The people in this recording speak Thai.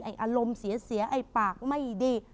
อารมณ์เสียไอ้ปากไม่ดี